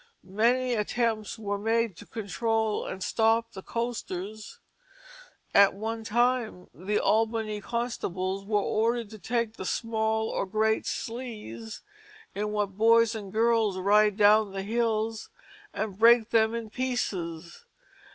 Many attempts were made to control and stop the coasters. At one time the Albany constables were ordered to take the "small or great slees" in which "boys and girls ryde down the hills," and break them in pieces.